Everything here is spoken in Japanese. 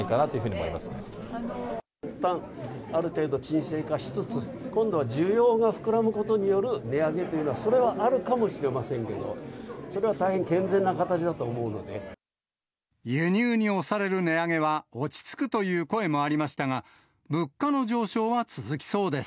それがいったん、ある程度沈静化しつつ、今度は需要が膨らむことによる値上げというのは、それはあるかもしれませんけど、それは大変、健全な形だと思うの輸入に押される値上げは落ち着くという声もありましたが、物価の上昇は続きそうです。